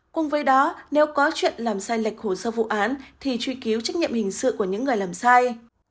cùng với đó nếu có chuyện làm sai lệch hồ sơ vụ án thì truy cứu trách nhiệm hình sự của những người làm sai